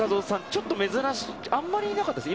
ちょっと珍しいあまりいなかったですね。